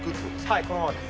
はいこのままです。